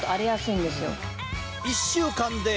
１週間で。